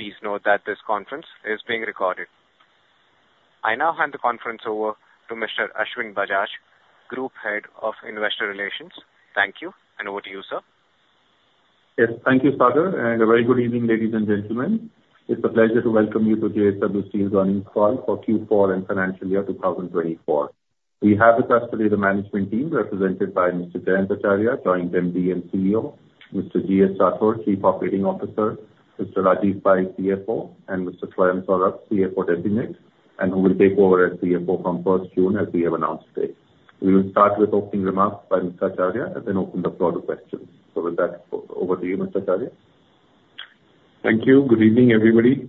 Please note that this conference is being recorded. I now hand the conference over to Mr. Ashwin Bajaj, Group Head of Investor Relations. Thank you, and over to you, sir. Yes, thank you, Sagar, and a very good evening, ladies and gentlemen. It's a pleasure to welcome you to JSW Steel's earnings call for Q4 and financial year 2024. We have with us today the management team, represented by Mr. Jayant Acharya, Joint MD and CEO, Mr. G.S. Rathore, Chief Operating Officer, Mr. Rajeev Pai, CFO, and Mr. Swayam Saurabh, CFO Designate, and who will take over as CFO from June 1, as we have announced today. We will start with opening remarks by Mr. Acharya and then open the floor to questions. So with that, over to you, Mr. Acharya. Thank you. Good evening, everybody.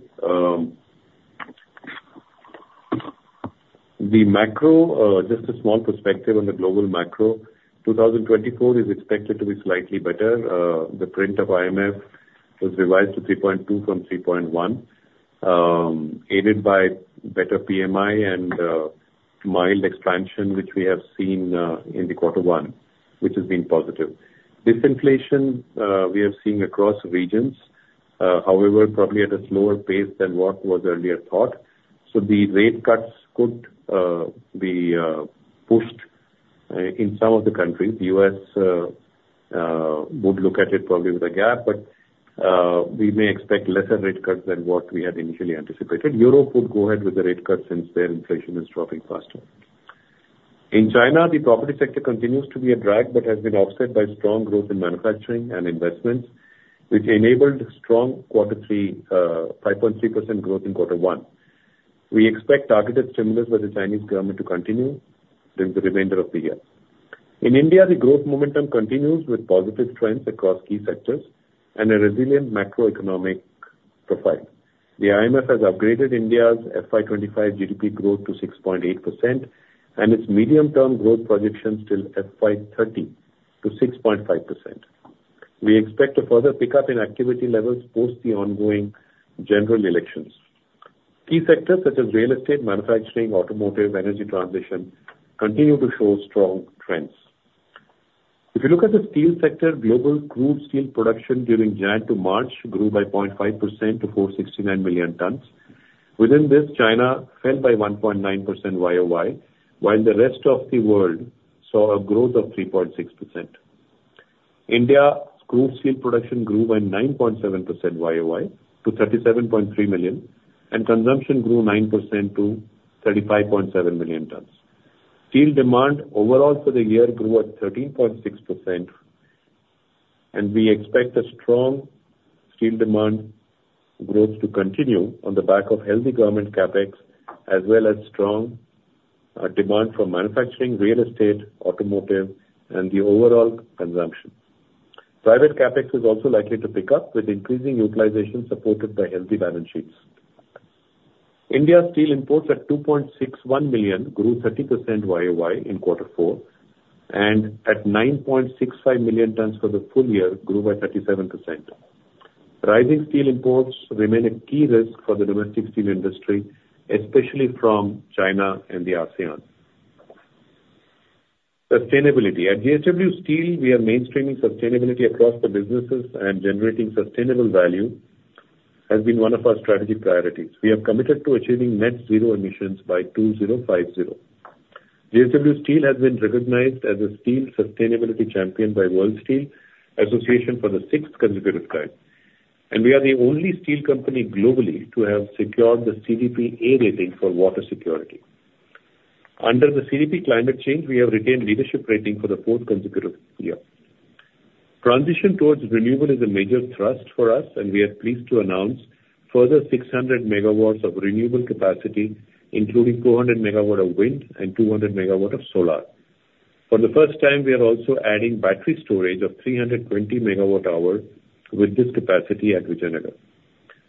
The macro, just a small perspective on the global macro. 2024 is expected to be slightly better. The print of IMF was revised to 3.2 from 3.1, aided by better PMI and mild expansion, which we have seen in the quarter one, which has been positive. Disinflation, we are seeing across regions, however, probably at a slower pace than what was earlier thought. So the rate cuts could be pushed in some of the countries. The U.S. would look at it probably with a gap, but we may expect lesser rate cuts than what we had initially anticipated. Europe would go ahead with the rate cuts since their inflation is dropping faster. In China, the property sector continues to be a drag but has been offset by strong growth in manufacturing and investments, which enabled strong quarter three, 5.3% growth in quarter one. We expect targeted stimulus by the Chinese government to continue during the remainder of the year. In India, the growth momentum continues with positive trends across key sectors and a resilient macroeconomic profile. The IMF has upgraded India's FY 2025 GDP growth to 6.8% and its medium-term growth projections till FY 2030 to 6.5%. We expect a further pickup in activity levels post the ongoing general elections. Key sectors such as real estate, manufacturing, automotive, energy transition, continue to show strong trends. If you look at the steel sector, global crude steel production during January to March grew by 0.5% to 469 million tons. Within this, China fell by 1.9% YoY, while the rest of the world saw a growth of 3.6%. India's crude steel production grew by 9.7% YoY to 37.3 million, and consumption grew 9% to 35.7 million tons. Steel demand overall for the year grew at 13.6%, and we expect a strong steel demand growth to continue on the back of healthy government CapEx, as well as strong demand from manufacturing, real estate, automotive, and the overall consumption. Private CapEx is also likely to pick up, with increasing utilization supported by healthy balance sheets. India's steel imports at 2.61 million grew 30% YoY in quarter four, and at 9.65 million tons for the full year, grew by 37%. Rising steel imports remain a key risk for the domestic steel industry, especially from China and the ASEAN. Sustainability. At JSW Steel, we are mainstreaming sustainability across the businesses, and generating sustainable value has been one of our strategic priorities. We are committed to achieving net zero emissions by 2050. JSW Steel has been recognized as a steel sustainability champion by World Steel Association for the sixth consecutive time, and we are the only steel company globally to have secured the CDP A rating for water security. Under the CDP Climate Change, we have retained leadership rating for the fourth consecutive year. Transition towards renewable is a major thrust for us, and we are pleased to announce further 600 MW of renewable capacity, including 200 MW of wind and 200 MW of solar. For the first time, we are also adding battery storage of 320 MWh with this capacity at Vijayanagar.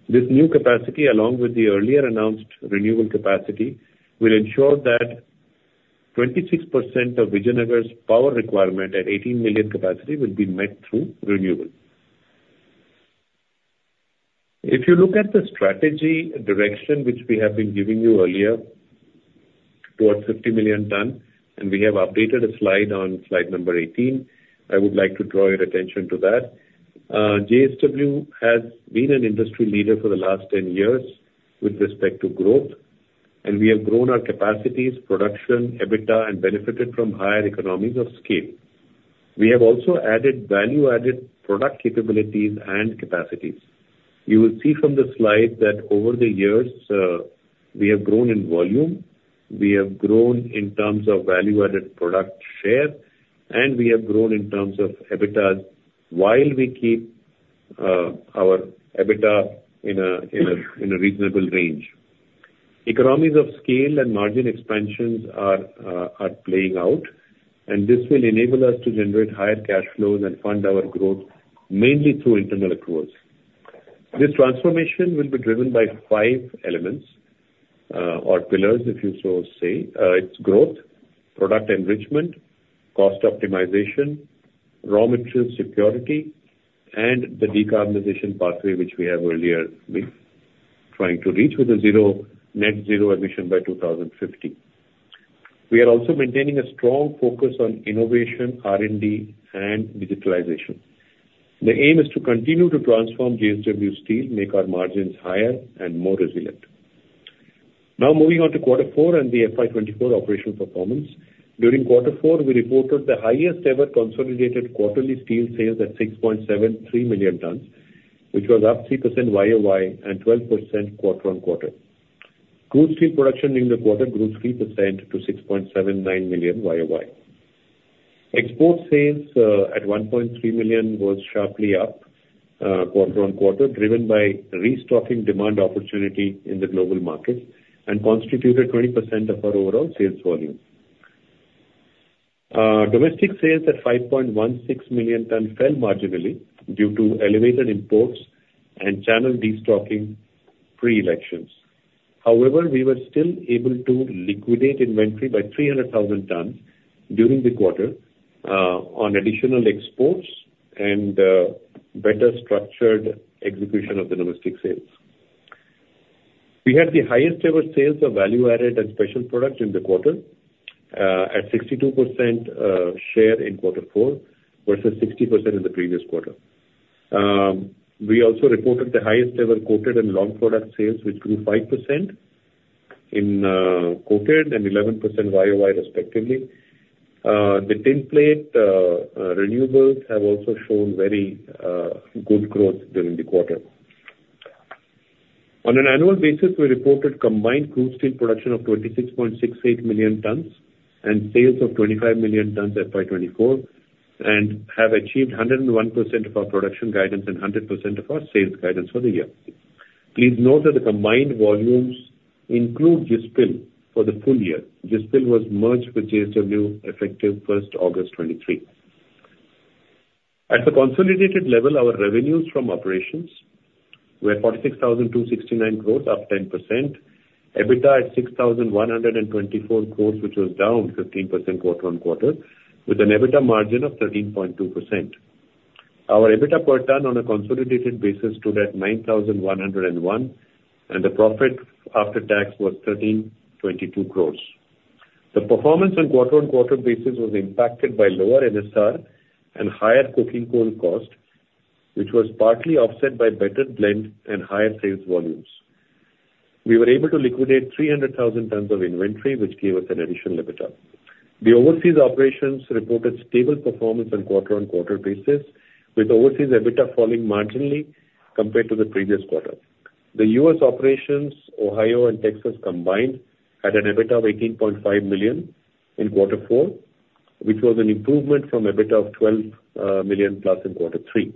This new capacity, along with the earlier announced renewable capacity, will ensure that 26% of Vijayanagar's power requirement at 18 million capacity will be met through renewables. If you look at the strategy direction, which we have been giving you earlier, towards 50 million ton, and we have updated a slide on slide number 18, I would like to draw your attention to that. JSW has been an industry leader for the last 10 years with respect to growth, and we have grown our capacities, production, EBITDA, and benefited from higher economies of scale. We have also added value-added product capabilities and capacities. You will see from the slide that over the years, we have grown in volume, we have grown in terms of value-added product share, and we have grown in terms of EBITDA, while we keep our EBITDA in a reasonable range. Economies of scale and margin expansions are playing out, and this will enable us to generate higher cash flows and fund our growth mainly through internal accruals. This transformation will be driven by five elements, or pillars, if you so say. It's growth, product enrichment, cost optimization, raw material security, and the decarbonization pathway, which we have earlier been trying to reach with a net zero emission by 2050. We are also maintaining a strong focus on innovation, R&D, and digitalization. The aim is to continue to transform JSW Steel, make our margins higher and more resilient. Now moving on to quarter four and the FY 2024 operational performance. During quarter four, we reported the highest ever consolidated quarterly steel sales at 6.73 million tons, which was up 3% YoY and 12% quarter-on-quarter. Crude steel production in the quarter grew 3% to 6.79 million YoY. Export sales at 1.3 million was sharply up quarter-on-quarter, driven by restocking demand opportunity in the global markets and constituted 20% of our overall sales volume. Domestic sales at 5.16 million tons fell marginally due to elevated imports and channel destocking pre-elections. However, we were still able to liquidate inventory by 300,000 tons during the quarter on additional exports and better structured execution of the domestic sales. We had the highest ever sales of value-added and special products in the quarter at 62% share in quarter four, versus 60% in the previous quarter. We also reported the highest ever coated and long product sales, which grew 5% in coated and 11% YoY respectively. The tinplate renewables have also shown very good growth during the quarter. On an annual basis, we reported combined crude steel production of 26.68 million tons and sales of 25 million tons FY 2024, and have achieved 101% of our production guidance and 100% of our sales guidance for the year. Please note that the combined volumes include JISPL for the full year. JISPL was merged with JSW, effective first August 2023. At the consolidated level, our revenues from operations were 46,269 crore, up 10%. EBITDA at 6,124 crore, which was down 15% quarter-on-quarter, with an EBITDA margin of 13.2%. Our EBITDA per ton on a consolidated basis stood at 9,101, and the profit after tax was 1,322 crore. The performance on quarter-on-quarter basis was impacted by lower NSR and higher coking coal cost, which was partly offset by better blend and higher sales volumes. We were able to liquidate 300,000 tons of inventory, which gave us an additional EBITDA. The overseas operations reported stable performance on quarter-on-quarter basis, with overseas EBITDA falling marginally compared to the previous quarter. The U.S. operations, Ohio and Texas combined, had an EBITDA of $18.5 million in quarter four, which was an improvement from EBITDA of $12 million plus in quarter three.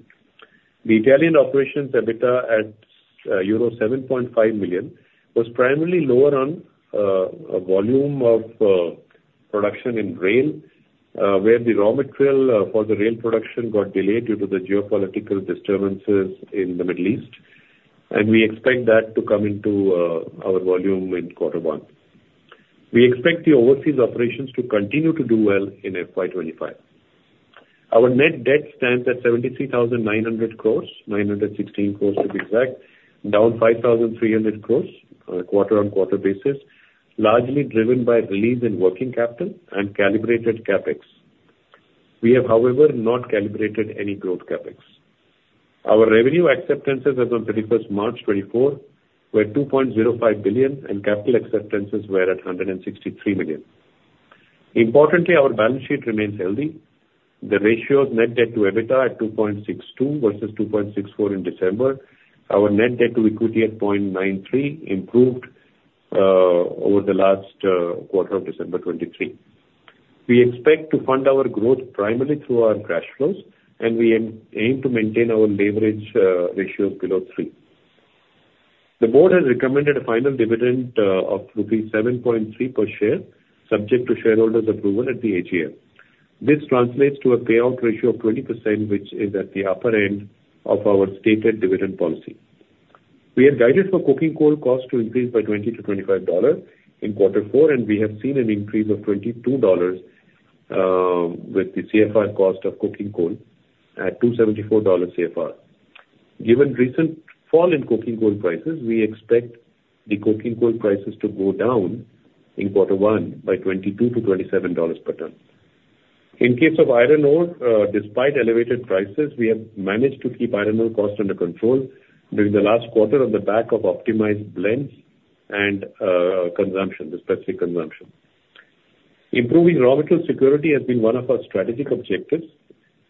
The Italian operations EBITDA at euro 7.5 million, was primarily lower on volume of production in rail, where the raw material for the rail production got delayed due to the geopolitical disturbances in the Middle East, and we expect that to come into our volume in quarter one. We expect the overseas operations to continue to do well in FY 2025. Our net debt stands at 73,916 crore, to be exact, down 5,300 crore on a quarter-on-quarter basis, largely driven by relief in working capital and calibrated CapEx. We have, however, not calibrated any growth CapEx. Our revenue acceptances as on 31st March 2024 were $2.05 billion, and capital acceptances were at $163 million. Importantly, our balance sheet remains healthy. The ratio of net debt to EBITDA at 2.62 versus 2.64 in December. Our net debt to equity at 0.93 improved over the last quarter of December 2023. We expect to fund our growth primarily through our cash flows, and we aim to maintain our leverage ratio below 3. The board has recommended a final dividend of rupees 7.3 per share, subject to shareholders' approval at the AGM. This translates to a payout ratio of 20%, which is at the upper end of our stated dividend policy. We had guided for coking coal cost to increase by $20-$25 in quarter four, and we have seen an increase of $22 with the CFR cost of coking coal at $274 CFR. Given recent fall in coking coal prices, we expect the coking coal prices to go down in quarter one by $22-$27 per ton. In case of iron ore, despite elevated prices, we have managed to keep iron ore cost under control during the last quarter on the back of optimized blends and consumption, the specific consumption. Improving raw material security has been one of our strategic objectives,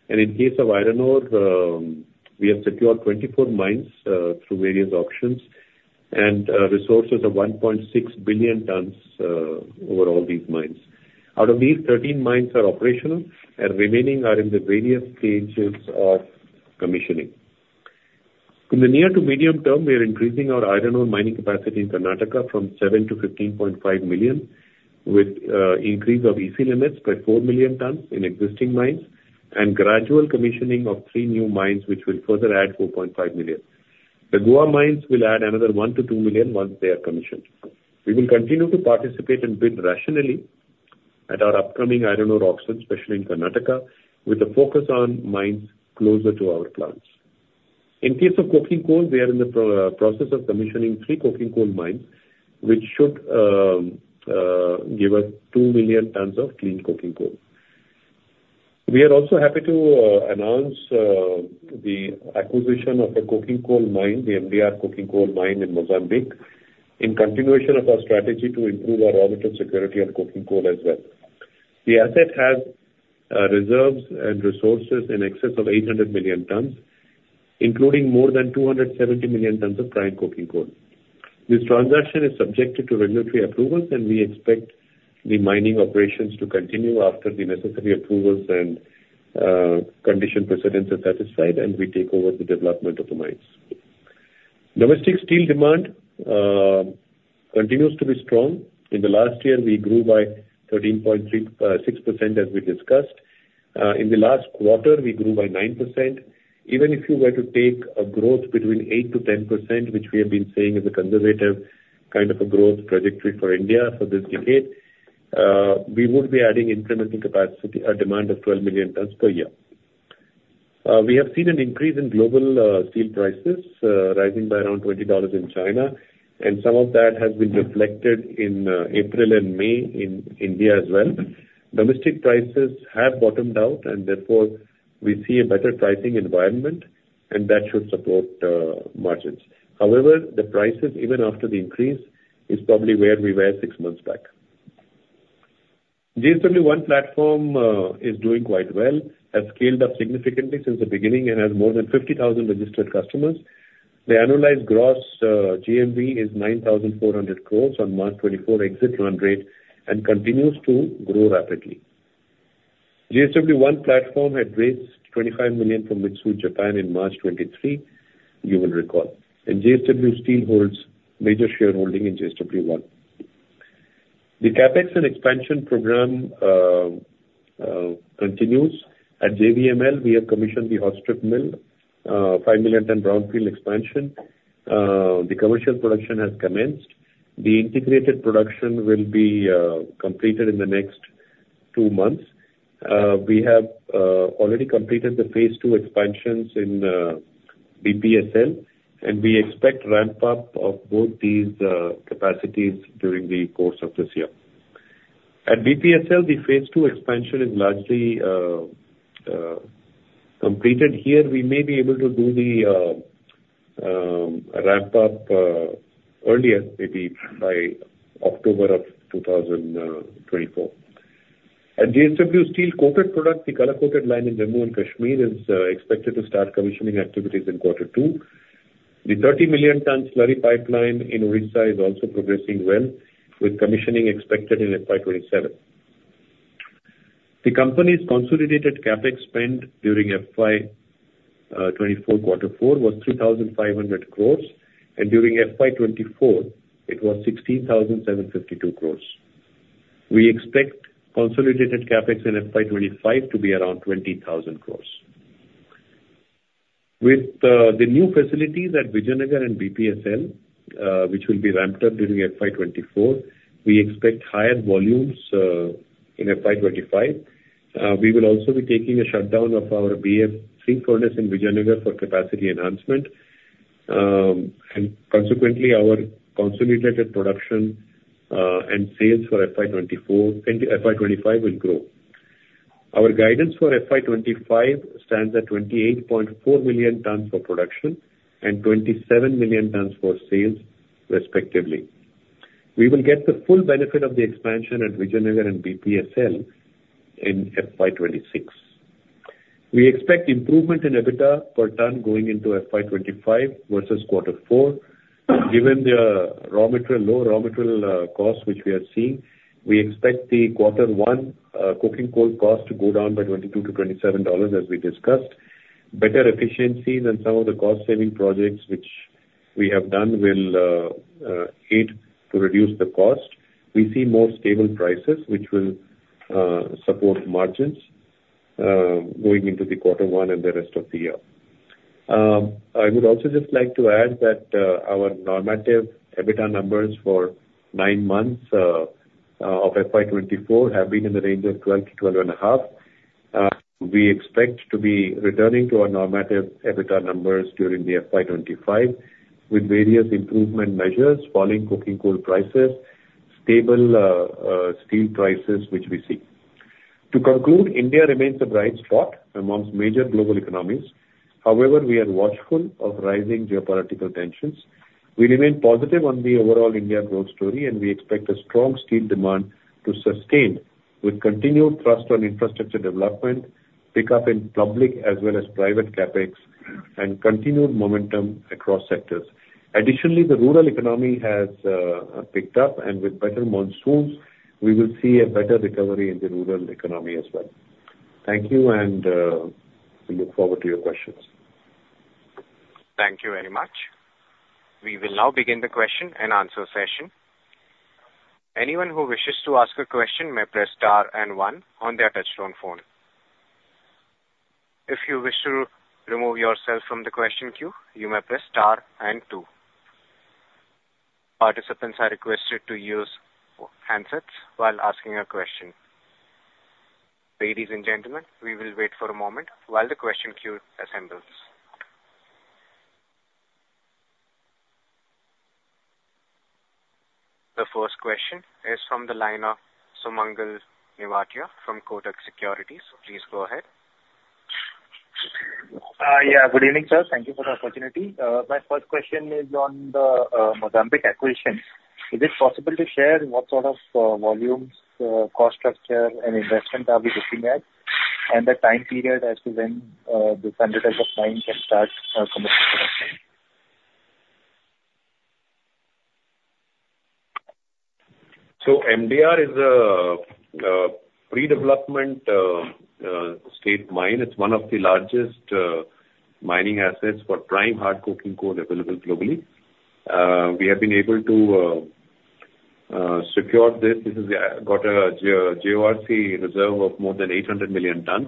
and in case of iron ore, we have secured 24 mines through various auctions and resources of 1.6 billion tons over all these mines. Out of these, 13 mines are operational and remaining are in the various stages of commissioning. In the near to medium term, we are increasing our iron ore mining capacity in Karnataka from 7 to 15.5 million, with increase of EC limits by 4 million tons in existing mines, and gradual commissioning of 3 new mines, which will further add 4.5 million. The Goa mines will add another 1-2 million once they are commissioned. We will continue to participate and bid rationally at our upcoming iron ore auctions, especially in Karnataka, with a focus on mines closer to our plants. In case of coking coal, we are in the process of commissioning three coking coal mines, which should give us 2 million tons of clean coking coal. We are also happy to announce the acquisition of the coking coal mine, the MDR coking coal mine in Mozambique, in continuation of our strategy to improve our raw material security and coking coal as well. The asset has reserves and resources in excess of 800 million tons, including more than 270 million tons of prime coking coal. This transaction is subjected to regulatory approvals, and we expect the mining operations to continue after the necessary approvals and condition precedents are satisfied, and we take over the development of the mines. Domestic steel demand continues to be strong. In the last year, we grew by 13.36%, as we discussed. In the last quarter, we grew by 9%. Even if you were to take a growth between 8%-10%, which we have been saying is a conservative kind of a growth trajectory for India for this decade, we would be adding incremental capacity or demand of 12 million tons per year. We have seen an increase in global steel prices rising by around $20 in China, and some of that has been reflected in April and May in India as well. Domestic prices have bottomed out, and therefore we see a better pricing environment, and that should support margins. However, the prices, even after the increase, is probably where we were six months back. JSW One platform is doing quite well, has scaled up significantly since the beginning and has more than 50,000 registered customers. The annualized gross GMV is 9,400 crore on March 2024 exit run rate and continues to grow rapidly. JSW One platform had raised $25 million from Mitsui, Japan, in March 2023, you will recall. And JSW Steel holds major shareholding in JSW One. The CapEx and expansion program continues. At JVML, we have commissioned the hot strip mill 5 million ton brownfield expansion. The commercial production has commenced. The integrated production will be completed in the next two months. We have already completed the Phase II expansions in BPSL, and we expect ramp-up of both these capacities during the course of this year. At BPSL, the Phase II expansion is largely completed here. We may be able to do the ramp-up earlier, maybe by October of 2024. At JSW Steel Coated Products, the color-coated line in Jammu and Kashmir is expected to start commissioning activities in quarter two. The 30 million-ton slurry pipeline in Odisha is also progressing well, with commissioning expected in FY 2027. The company's consolidated CapEx spend during FY 2024, quarter four was 3,500 crore, and during FY 2024, it was 16,752 crore. We expect consolidated CapEx in FY 2025 to be around 20,000 crore. With the new facilities at Vijayanagar and BPSL, which will be ramped up during FY 2024, we expect higher volumes in FY 2025. We will also be taking a shutdown of our BF3 furnace in Vijayanagar for capacity enhancement. And consequently, our consolidated production and sales for FY 2025 will grow. Our guidance for FY 2025 stands at 28.4 million tons for production and 27 million tons for sales, respectively. We will get the full benefit of the expansion at Vijayanagar and BPSL in FY 2026. We expect improvement in EBITDA per ton going into FY 2025 versus quarter four. Given the raw material, low raw material costs which we are seeing, we expect the quarter one coking coal cost to go down by $22-$27 as we discussed. Better efficiencies and some of the cost-saving projects which we have done will aid to reduce the cost. We see more stable prices, which will support margins going into the quarter one and the rest of the year. I would also just like to add that our normative EBITDA numbers for nine months of FY 2024 have been in the range of 12 to 12.5. We expect to be returning to our normative EBITDA numbers during the FY 2025 with various improvement measures, falling coking coal prices, stable steel prices, which we see. To conclude, India remains a bright spot amongst major global economies. However, we are watchful of rising geopolitical tensions. We remain positive on the overall India growth story, and we expect a strong steel demand to sustain with continued thrust on infrastructure development, pickup in public as well as private CapEx, and continued momentum across sectors. Additionally, the rural economy has picked up, and with better monsoons, we will see a better recovery in the rural economy as well. Thank you, and we look forward to your questions. Thank you very much. We will now begin the question-and-answer session. Anyone who wishes to ask a question may press star and one on their touchtone phone. If you wish to remove yourself from the question queue, you may press star and two. Participants are requested to use handsets while asking a question. Ladies and gentlemen, we will wait for a moment while the question queue assembles. The first question is from the line of Sumangal Nevatia from Kotak Securities. Please go ahead. Yeah, good evening, sir. Thank you for the opportunity. My first question is on the Mozambique acquisition. Is it possible to share what sort of volumes, cost structure, and investment are we looking at, and the time period as to when the commencement of the mine can start commercial production? So MDR is a pre-development state mine. It's one of the largest mining assets for prime hard coking coal available globally. We have been able to secure this. This has got a JORC reserve of more than 800 million tonnes.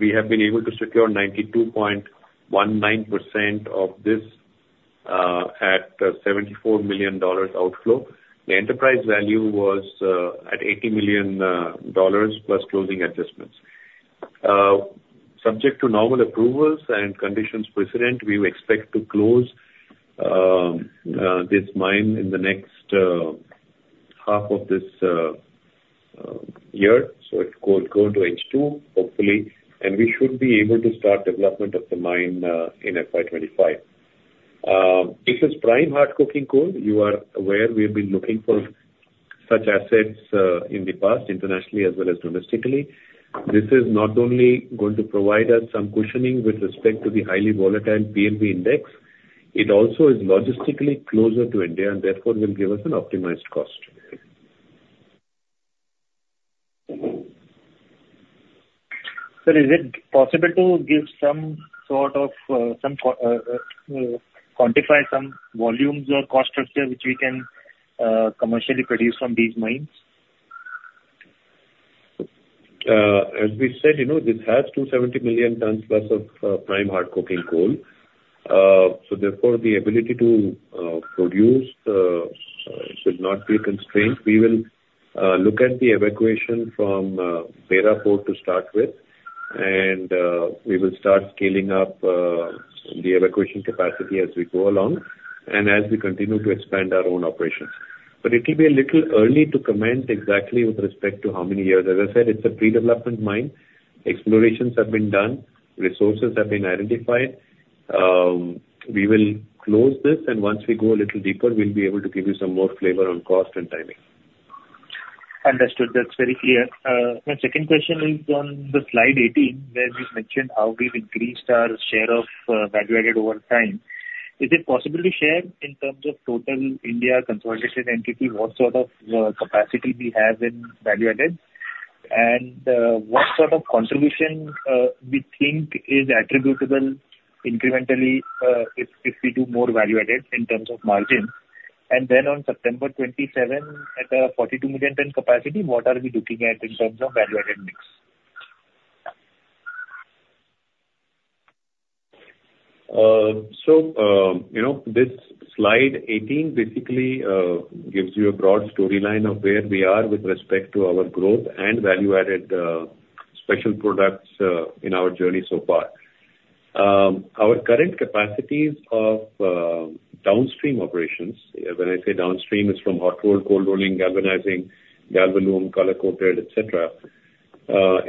We have been able to secure 92.19% of this at $74 million outflow. The enterprise value was at $80 million, plus closing adjustments. Subject to normal approvals and conditions precedent, we expect to close this mine in the next half of this year, so it could go into H2, hopefully, and we should be able to start development of the mine in FY 25. This is prime hard coking coal. You are aware we have been looking for such assets, in the past, internationally as well as domestically. This is not only going to provide us some cushioning with respect to the highly volatile PLV index, it also is logistically closer to India and therefore will give us an optimized cost. Sir, is it possible to give some sort of, some, quantify some volumes or cost structure which we can commercially produce from these mines? As we said, you know, this has 270 million tons plus of prime hard coking coal. So therefore, the ability to produce should not be constrained. We will look at the evacuation from Beira port to start with, and we will start scaling up the evacuation capacity as we go along and as we continue to expand our own operations. But it will be a little early to comment exactly with respect to how many years. As I said, it's a pre-development mine. Explorations have been done, resources have been identified. We will close this, and once we go a little deeper, we'll be able to give you some more flavor on cost and timing. Understood. That's very clear. My second question is on the slide 18, where we've mentioned how we've increased our share of, value-added over time. Is it possible to share, in terms of total India consolidation entity, what sort of, capacity we have in value-added? And, what sort of contribution, we think is attributable incrementally, if, if we do more value-added in terms of margin? And then on September 2027, at the 42 million tonne capacity, what are we looking at in terms of value-added mix? So, you know, this Slide 18 basically gives you a broad storyline of where we are with respect to our growth and value-added special products in our journey so far. Our current capacities of downstream operations, when I say downstream, is from hot rolled, cold rolling, galvanizing, Galvalume, color coated, et cetera,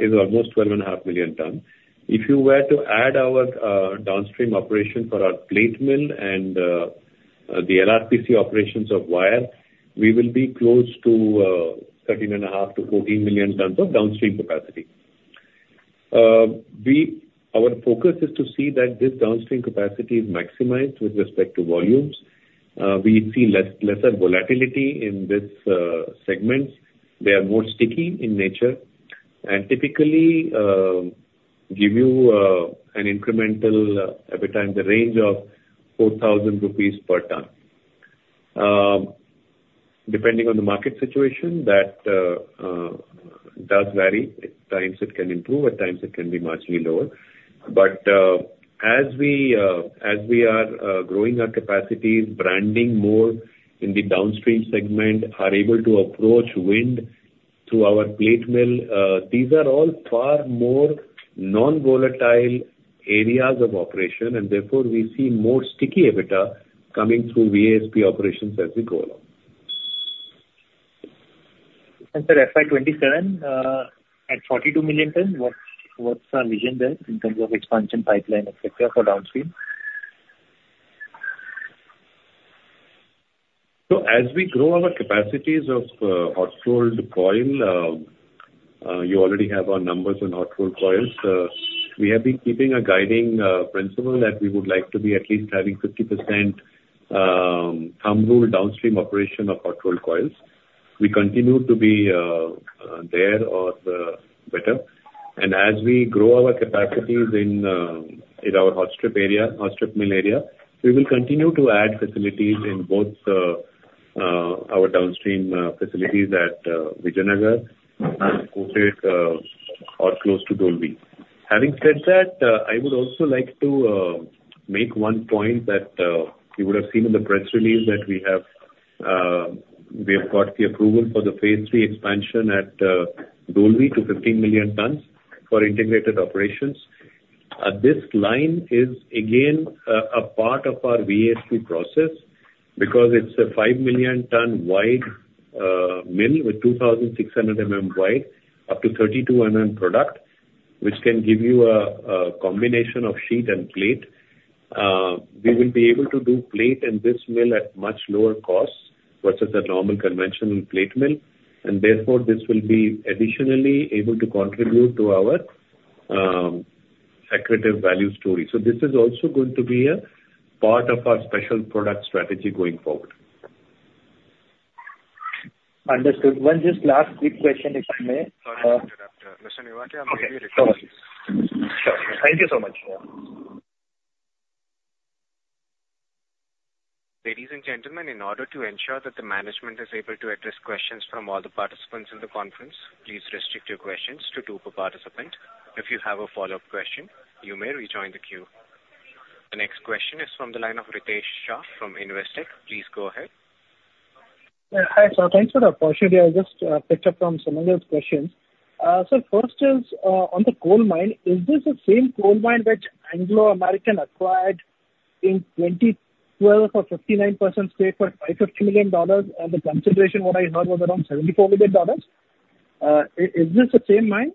is almost 12.5 million tons. If you were to add our downstream operation for our plate mill and the LRPC operations of wire, we will be close to 13.5-14 million tons of downstream capacity. Our focus is to see that this downstream capacity is maximized with respect to volumes. We see less, lesser volatility in this segment. They are more sticky in nature and typically give you an incremental EBITDA in the range of 4,000 rupees per tonne. Depending on the market situation, that does vary. At times it can improve, at times it can be marginally lower. But as we are growing our capacities, branding more in the downstream segment, are able to approach wind through our plate mill, these are all far more non-volatile areas of operation, and therefore we see more sticky EBITDA coming through VASP operations as we go along. Sir, FY 2027, at 42 million tonnes, what, what's our vision there in terms of expansion, pipeline, et cetera, for downstream? So as we grow our capacities of hot rolled coil, you already have our numbers on hot rolled coils. We have been keeping a guiding principle that we would like to be at least having 50% thumb rule downstream operation of hot rolled coils. We continue to be there or better. And as we grow our capacities in our hot strip area, hot strip mill area, we will continue to add facilities in both our downstream facilities at Vijayanagar, coated or close to Dolvi. Having said that, I would also like to make one point that you would have seen in the press release that we have got the approval for the Phase III expansion at Dolvi to 15 million tons for integrated operations. This line is again a part of our VASP process, because it's a 5 million ton wide mill, with 2,600 mm wide, up to 32 mm product, which can give you a combination of sheet and plate. We will be able to do plate in this mill at much lower cost, versus a normal conventional plate mill, and therefore, this will be additionally able to contribute to our accretive value story. So this is also going to be a part of our special product strategy going forward. Understood. One just last quick question, if I may? Sorry, Mr. Nevatia, I'm going to return this. Okay. Sure. Thank you so much. Ladies and gentlemen, in order to ensure that the management is able to address questions from all the participants in the conference, please restrict your questions to two per participant. If you have a follow-up question, you may rejoin the queue. The next question is from the line of Ritesh Shah from Investec. Please go ahead. Yeah. Hi, sir. Thanks for the opportunity. I'll just pick up from Sumangal's question. So first is on the coal mine: Is this the same coal mine which Anglo American acquired in 2012 for 59% stake for $550 million, and the consideration, what I heard, was around $74 million? Is this the same mine?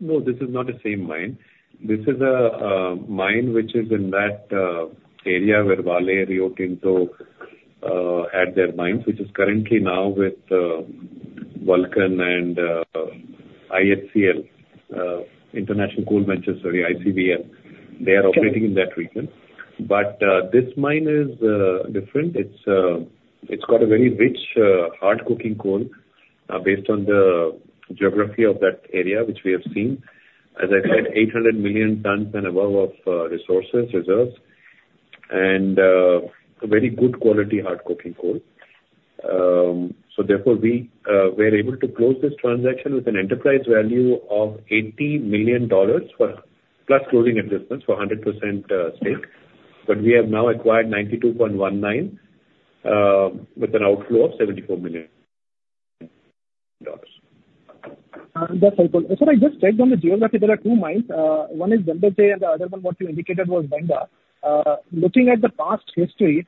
No, this is not the same mine. This is a mine which is in that area where Vale, Rio Tinto had their mines, which is currently now with Vulcan and ICVL, International Coal Ventures, sorry, ICVL. Okay. They are operating in that region. But, this mine is different. It's got a very rich hard coking coal based on the geography of that area, which we have seen. As I said, 800 million tons and above of resources, reserves, and a very good quality hard coking coal. So therefore, we, we're able to close this transaction with an enterprise value of $80 million for plus closing adjustments for a 100% stake. But we have now acquired 92.19% with an outflow of $74 million. That's helpful. So I just checked on the geography, there are two mines. One is Zambeze and the other one, what you indicated, was Benga. Looking at the past history,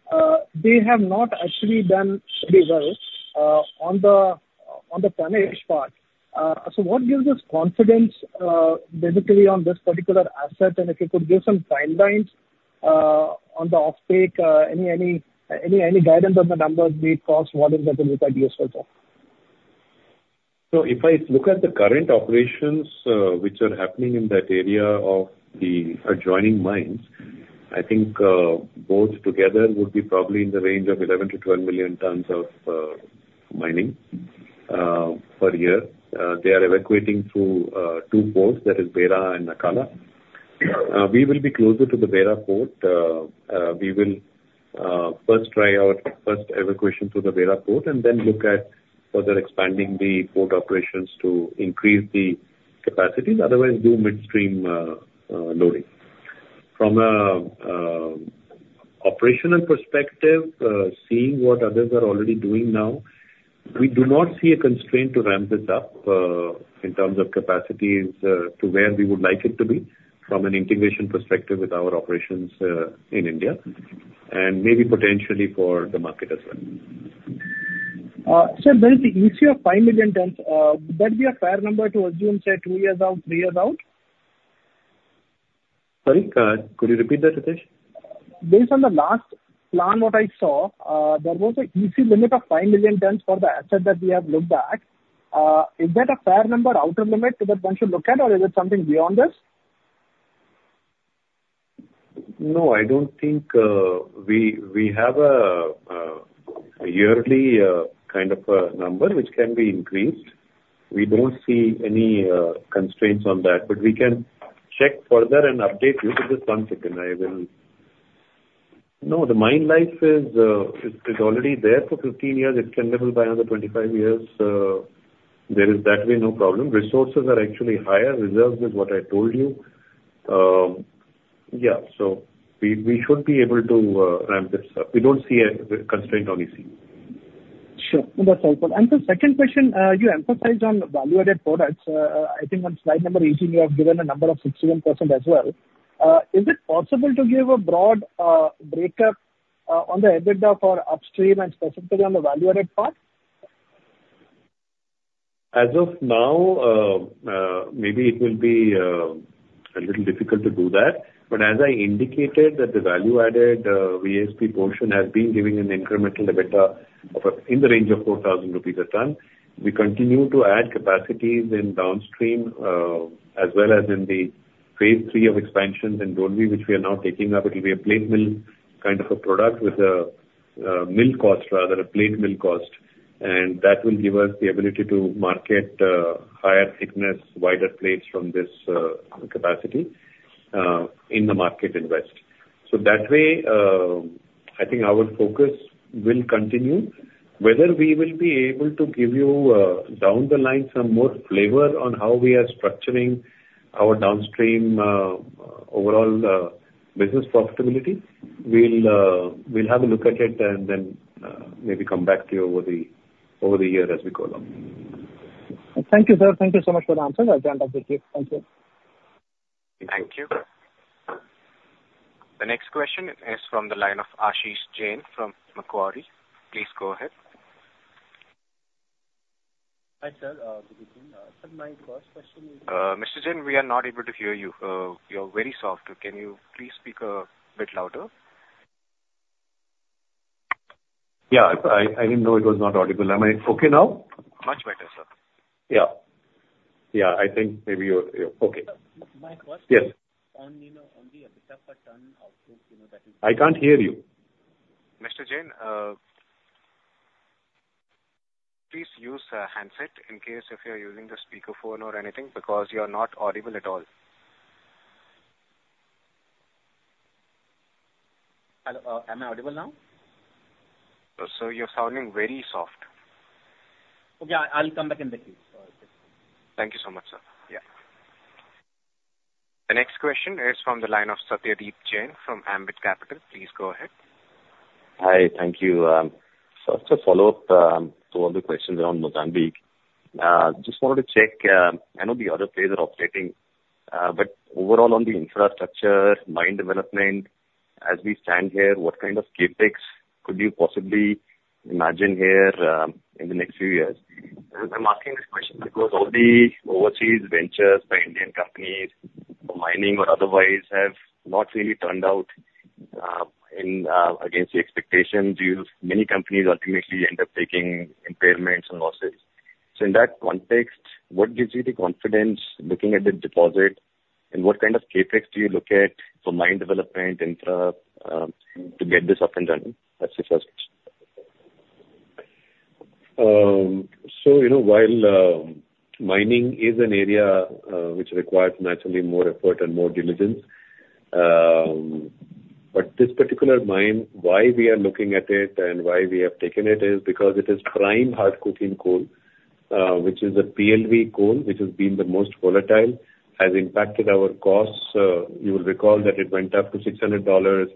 they have not actually done very well on the production part. So what gives us confidence, basically, on this particular asset? And if you could give some timelines on the offtake, any guidance on the numbers, be it cost, whatever that will be useful for? So if I look at the current operations, which are happening in that area of the adjoining mines, I think, both together would be probably in the range of 11-12 million tons of mining per year. They are evacuating through two ports, that is Beira and Nacala. We will be closer to the Beira port. We will first try out first evacuation through the Beira port and then look at further expanding the port operations to increase the capacities, otherwise, do midstream loading. From an operational perspective, seeing what others are already doing now, we do not see a constraint to ramp this up in terms of capacities to where we would like it to be, from an integration perspective with our operations in India, and maybe potentially for the market as well. Sir, there is the EC of 5 million tons. Would that be a fair number to assume, say, two years out, three years out? Sorry, could you repeat that, Ritesh? Based on the last plan what I saw, there was a EC limit of 5 million tons for the asset that we have looked at. Is that a fair number, outer limit, that one should look at, or is it something beyond this? No, I don't think we have a yearly kind of a number which can be increased. We don't see any constraints on that, but we can check further and update you. Give me just one second, I will... No, the mine life is already there for 15 years. It can level by another 25 years. There is that way, no problem. Resources are actually higher. Reserves is what I told you. Yeah, so we should be able to ramp this up. We don't see a constraint on EC. Sure. That's helpful. And the second question, you emphasized on value-added products. I think on slide number 18, you have given a number of 61% as well. Is it possible to give a broad breakup on the EBITDA for upstream and specifically on the value-added part? As of now, maybe it will be a little difficult to do that. But as I indicated, the value-added VSP portion has been giving an incremental EBITDA of, in the range of 4,000 rupees a ton. We continue to add capacities in downstream, as well as in the Phase III of expansions in Dolvi, which we are now taking up. It will be a plate mill kind of a product with a mill cost, rather a plate mill cost, and that will give us the ability to market higher thickness, wider plates from this capacity in the market in West. So that way, I think our focus will continue. Whether we will be able to give you, down the line some more flavor on how we are structuring our downstream, overall, business profitability, we'll, we'll have a look at it and then, maybe come back to you over the, over the year as we go along. Thank you, sir. Thank you so much for the answers at the end of the day. Thank you. Thank you. The next question is from the line of Ashish Jain from Macquarie. Please go ahead. Hi, sir. Good evening. So my first question is- Mr. Jain, we are not able to hear you. You're very soft. Can you please speak a bit louder? Yeah. I didn't know it was not audible. Am I okay now? Much better, sir. Yeah. Yeah, I think maybe you're, you're okay. My first- Yes. You know, on the EBITDA ton output, you know, that is- I can't hear you. Mr. Jain, please use a handset in case if you're using the speaker phone or anything, because you are not audible at all. Hello, am I audible now? Sir, you're sounding very soft. Okay. I'll come back in the queue. Thank you so much, sir. Yeah. The next question is from the line of Satyadeep Jain from Ambit Capital. Please go ahead. Hi. Thank you. So just a follow-up, to all the questions around Mozambique. Just wanted to check, I know the other plays are operating, but overall on the infrastructure, mine development, as we stand here, what kind of CapEx could you possibly imagine here, in the next few years? I'm asking this question because all the overseas ventures by Indian companies, mining or otherwise, have not really turned out, in against the expectations, due to many companies ultimately end up taking impairments and losses. So in that context, what gives you the confidence, looking at the deposit, and what kind of CapEx do you look at for mine development, infra, to get this up and running? That's the first question. So, you know, while mining is an area which requires naturally more effort and more diligence, but this particular mine, why we are looking at it and why we have taken it is because it is prime hard coking coal, which is a PLV coal, which has been the most volatile, has impacted our costs. You will recall that it went up to $600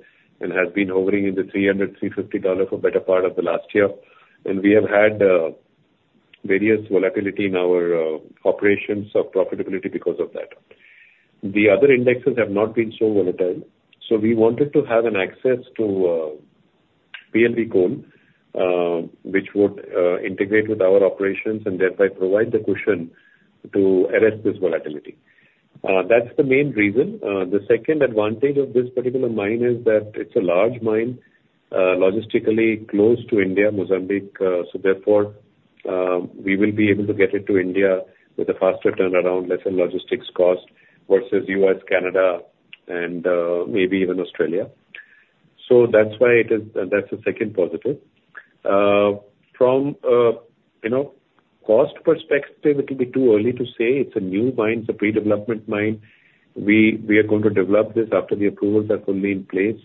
and has been hovering in the $300-$350 for better part of the last year. And we have had various volatility in our operations of profitability because of that. The other indexes have not been so volatile, so we wanted to have an access to PLV coal, which would integrate with our operations and thereby provide the cushion to arrest this volatility. That's the main reason. The second advantage of this particular mine is that it's a large mine, logistically close to India, Mozambique, so therefore, we will be able to get it to India with a faster turnaround, lesser logistics cost versus U.S., Canada, and, maybe even Australia. So that's why it is, that's the second positive. From, you know, cost perspective, it will be too early to say. It's a new mine, it's a pre-development mine. We are going to develop this after the approvals are fully in place.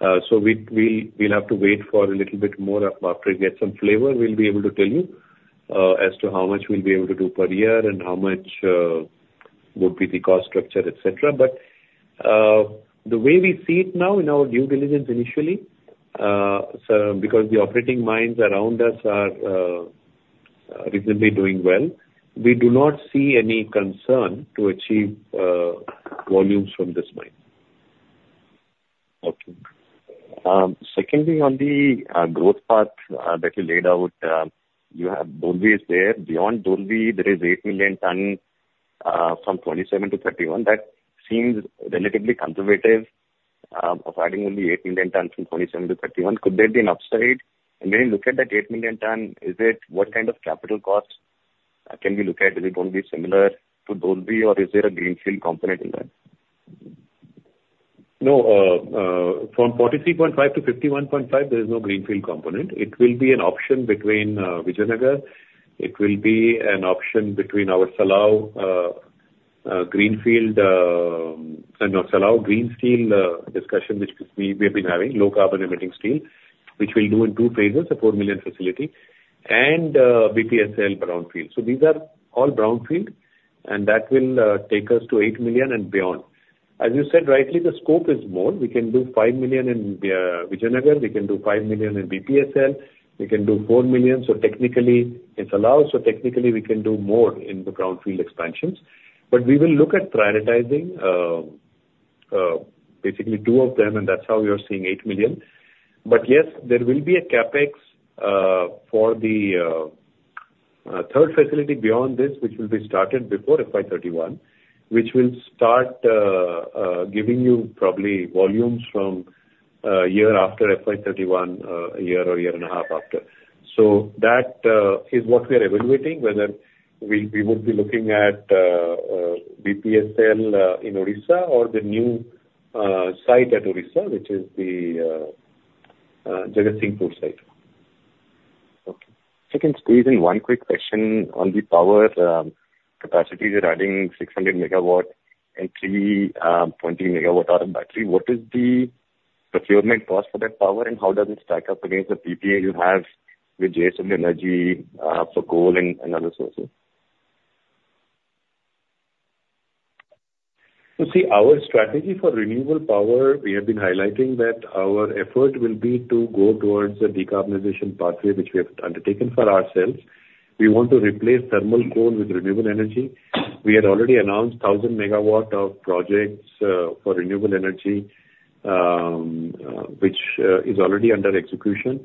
So we'll have to wait for a little bit more. After we get some flavor, we'll be able to tell you, as to how much we'll be able to do per year and how much would be the cost structure, et cetera. But, the way we see it now in our due diligence initially, so because the operating mines around us are reasonably doing well, we do not see any concern to achieve volumes from this mine. Okay. Secondly, on the growth path that you laid out, you have Dolvi is there. Beyond Dolvi, there is 8 million ton from 2027 to 2031. That seems relatively conservative, acquiring only 8 million ton from 2027 to 2031. Could there be an upside? And when you look at that 8 million ton, is it—what kind of capital cost can we look at? Will it only be similar to Dolvi, or is there a greenfield component in that? No, from 43.5 to 51.5, there is no greenfield component. It will be an option between Vijayanagar. It will be an option between our Salav greenfield, no, Salav green steel discussion, which we have been having, low carbon emitting steel, which we'll do in two phases, a 4 million facility, and BPSL brownfield. So these are all brownfield, and that will take us to 8 million and beyond. As you said rightly, the scope is more. We can do 5 million in Vijayanagar, we can do 5 million in BPSL, we can do 4 million. So technically, it's allowed, so technically we can do more in the brownfield expansions. But we will look at prioritizing basically two of them, and that's how we are seeing 8 million. But yes, there will be a CapEx for the third facility beyond this, which will be started before FY 2031, which will start giving you probably volumes from year after FY 2031, a year or year and a half after. So that is what we are evaluating, whether we, we would be looking at BPSL in Odisha or the new site at Odisha, which is the Jagatsinghpur site. Okay. Second stage and one quick question on the power capacity you're adding 600 MW and 320 MWh battery. What is the procurement cost for that power, and how does it stack up against the PPA you have with JSW Energy for coal and other sources? You see, our strategy for renewable power, we have been highlighting that our effort will be to go towards a decarbonization pathway which we have undertaken for ourselves. We want to replace thermal coal with renewable energy. We had already announced 1,000 MW of projects for renewable energy, which is already under execution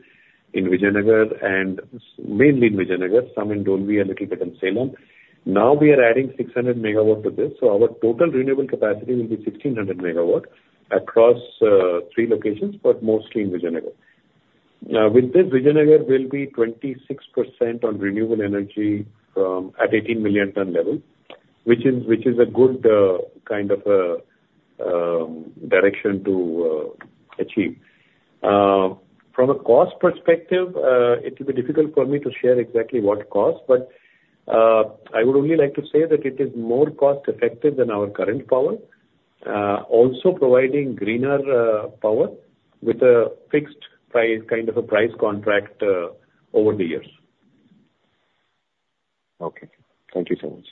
in Vijayanagar and mainly in Vijayanagar, some in Dolvi, a little bit in Salem. Now we are adding 600 MW to this, so our total renewable capacity will be 1,600 MW across three locations, but mostly in Vijayanagar. Now, with this, Vijayanagar will be 26% on renewable energy from at 18 million ton level, which is a good kind of direction to achieve. From a cost perspective, it will be difficult for me to share exactly what cost, but I would only like to say that it is more cost effective than our current power. Also providing greener power with a fixed price, kind of a price contract, over the years. Okay. Thank you so much.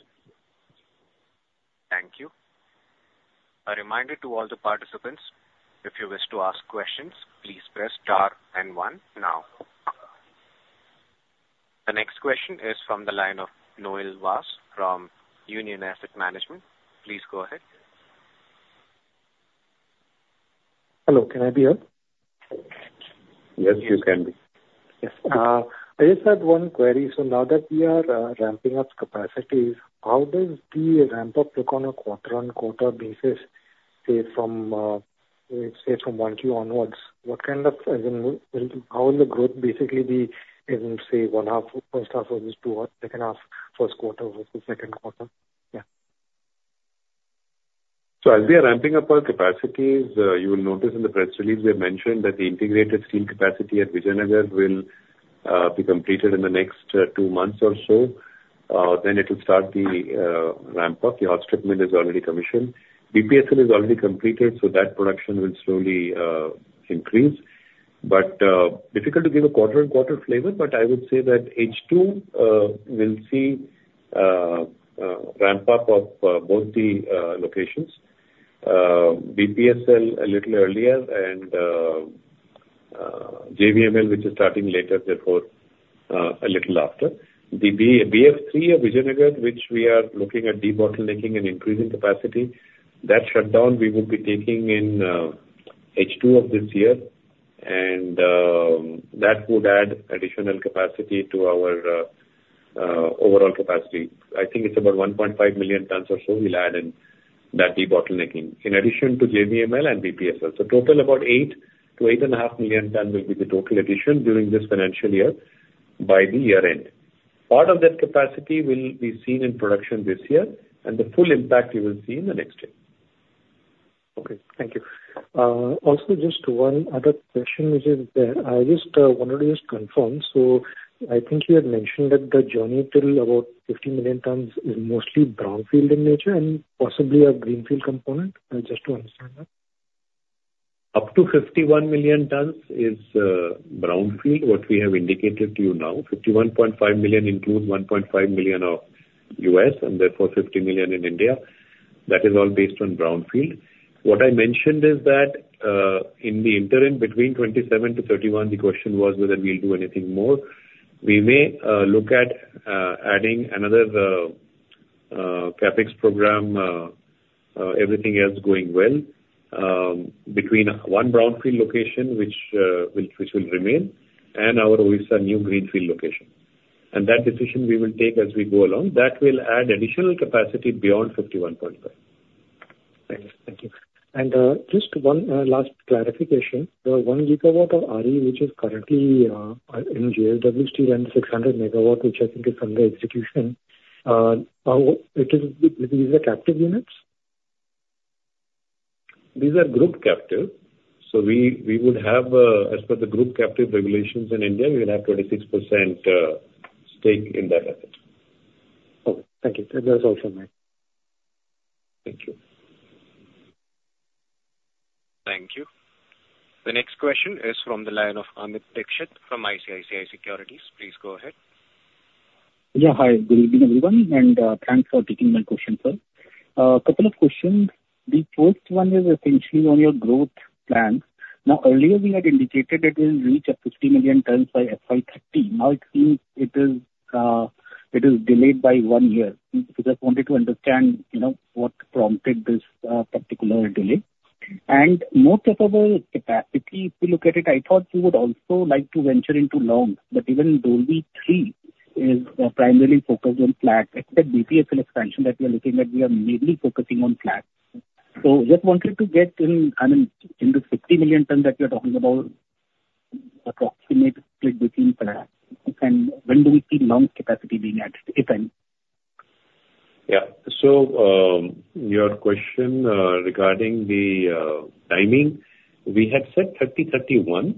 Thank you. A reminder to all the participants, if you wish to ask questions, please press star and one now. The next question is from the line of Noel Vaz from Union Asset Management. Please go ahead. Hello, can I be heard? Yes, you can be. Yes. I just had one query. So now that we are ramping up capacities, how does the ramp up look on a quarter on quarter basis, say, from, say, from 1Q onwards? What kind of, as in, how will the growth basically be in, say, one half, first half of this two, second half, first quarter versus second quarter? Yeah. So as we are ramping up our capacities, you will notice in the press release we have mentioned that the integrated steel capacity at Vijayanagar will be completed in the next two months or so. Then it will start the ramp up. The hot strip mill is already commissioned. BPSL is already completed, so that production will slowly increase. But difficult to give a quarter and quarter flavor, but I would say that H2 will see ramp up of both the locations. BPSL a little earlier and JVML, which is starting later, therefore a little after. The BF3 at Vijayanagar, which we are looking at debottlenecking and increasing capacity, that shutdown we would be taking in H2 of this year, and that would add additional capacity to our overall capacity. I think it's about 1.5 million tons or so we'll add in that debottlenecking, in addition to JVML and BPSL. So total about 8-8.5 million tons will be the total addition during this financial year by the year end. Part of that capacity will be seen in production this year, and the full impact you will see in the next year. Okay, thank you. Also, just one other question, which is that I just wanted to just confirm. So I think you had mentioned that the journey till about 50 million tons is mostly brownfield in nature and possibly a greenfield component. Just to understand that. Up to 51 million tons is brownfield, what we have indicated to you now. 51.5 million includes 1.5 million of U.S. and therefore 50 million in India. That is all based on brownfield. What I mentioned is that in the interim between 2027-2031, the question was whether we'll do anything more. We may look at adding another CapEx program, everything else going well, between one brownfield location which will remain, and our Odisha new greenfield location. That decision we will take as we go along. That will add additional capacity beyond 51.5. Thanks. Thank you. And, just one last clarification. The 1 GW of RE, which is currently in JSW Steel and 600 MW, which I think is under execution, how... It is, these are captive units? These are Group Captive. So we, we would have, as per the Group Captive regulations in India, we would have 26% stake in that asset. Okay. Thank you. That's all from me. Thank you. Thank you. The next question is from the line of Amit Dixit from ICICI Securities. Please go ahead. Yeah, hi, good evening, everyone, and thanks for taking my question, sir. A couple of questions. The first one is essentially on your growth plans. Now, earlier we had indicated it will reach 50 million tons by FY 2030. Now it seems it is delayed by one year. Just wanted to understand, you know, what prompted this particular delay? And most of our capacity, if you look at it, I thought you would also like to venture into longs, but even Dolvi 3 is primarily focused on flat. Except BPSL expansion that you are looking at, we are mainly focusing on flat. So just wanted to get in, I mean, in the 50 million ton that you're talking about, approximate split between flat, and when do we see long capacity being added, if any? Yeah. So, your question regarding the timing, we had said 2031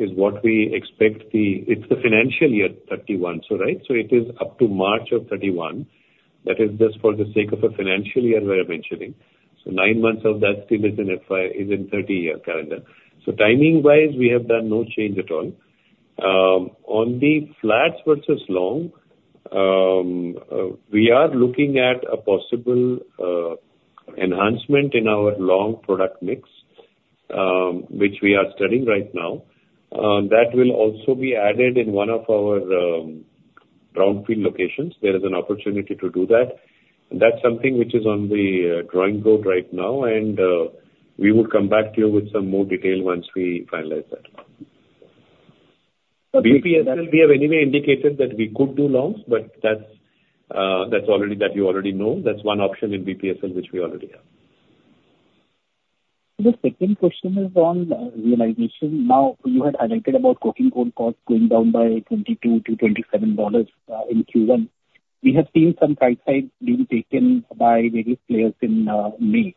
is what we expect it's the financial year 2031, so right? So it is up to March of 2031. That is just for the sake of a financial year we are mentioning. So nine months of that still is in 2030-year calendar. So timing-wise, we have done no change at all. On the flats versus long, we are looking at a possible enhancement in our long product mix, which we are studying right now. That will also be added in one of our brownfield locations. There is an opportunity to do that, and that's something which is on the drawing board right now, and we will come back to you with some more detail once we finalize that. BPSL, we have anyway indicated that we could do longs, but that's, that's already that you already know. That's one option in BPSL, which we already have. The second question is on realization. Now, you had highlighted about coking coal costs going down by $22-$27 in Q1. We have seen some price hikes being taken by various players in May.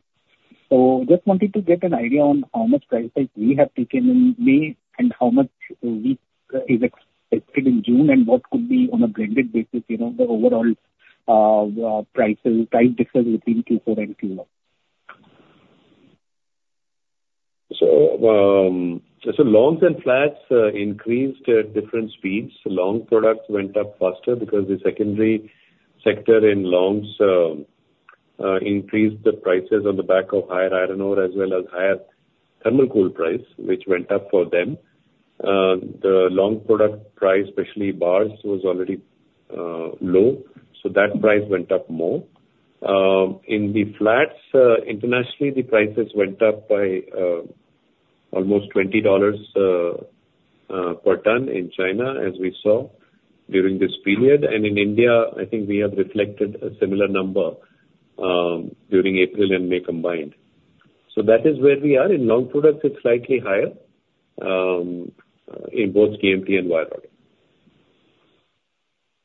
So just wanted to get an idea on how much price hike we have taken in May, and how much we is expected in June, and what could be on a blended basis, you know, the overall prices, price difference between Q4 and Q1? So longs and flats increased at different speeds. Long products went up faster because the secondary sector in longs increased the prices on the back of higher iron ore, as well as higher thermal coal price, which went up for them. The long product price, especially bars, was already low, so that price went up more. In the flats, internationally, the prices went up by almost $20 per ton in China, as we saw during this period. In India, I think we have reflected a similar number during April and May combined. So that is where we are. In long products, it's slightly higher in both GMP and wire rod.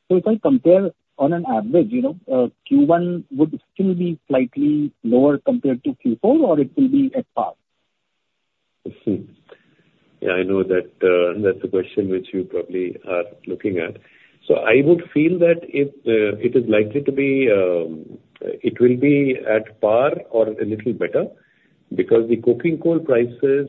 So if I compare on an average, you know, Q1 would still be slightly lower compared to Q4, or it will be at par? Yeah, I know that, that's a question which you probably are looking at. So I would feel that it, it is likely to be... It will be at par or a little better, because the coking coal prices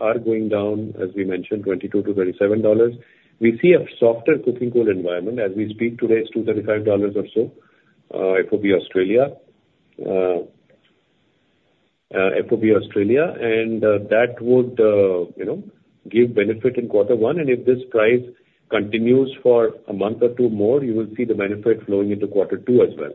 are going down, as we mentioned, $22-$27. We see a softer coking coal environment. As we speak today, it's $235 or so, FOB Australia, FOB Australia. And, that would, you know, give benefit in quarter one, and if this price continues for a month or two more, you will see the benefit flowing into quarter two as well.